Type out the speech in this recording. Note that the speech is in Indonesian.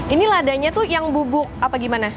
ini ladanya tuh yang bubuk apa gimana